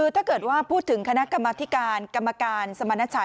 ถ้าเกิดพูดถึงคณะกรรมธิการคำการสมรรณชัตน์